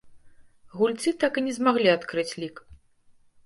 Гульцы так і не змаглі адкрыць лік.